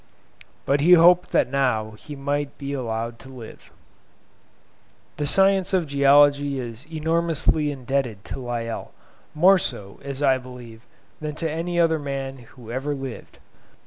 But he hoped that now he might be allowed to live. The science of Geology is enormously indebted to Lyell—more so, as I believe, than to any other man who ever lived.